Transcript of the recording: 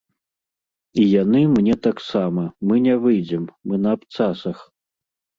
І яны мне таксама, мы не выйдзем, мы на абцасах.